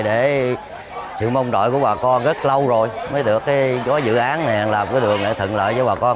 để sự mong đợi của bà con rất lâu rồi mới được có dự án này làm cái đường để thận lợi cho bà con